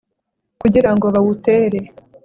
kugira ngo bawutere